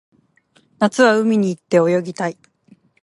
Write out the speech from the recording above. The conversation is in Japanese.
夏は海に行って泳ぎたい